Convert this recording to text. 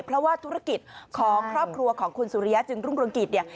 เพราะว่าธุรกิจของครอบครัวของคุณสุริยะจึงรุ่งเรืองกิจเนี่ย